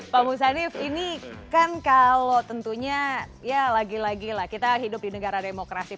pak musanif ini kan kalau tentunya ya lagi lagi lah kita hidup di negara demokrasi